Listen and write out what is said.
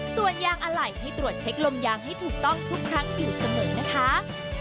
ส่วนยางอะไหล่ให้ตรวจเช็คลมยางให้ถูกต้องทุกครั้งอยู่เสมอนะคะ